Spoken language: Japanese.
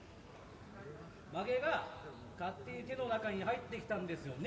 「まげが勝手に手の中に入ってきたんですよね？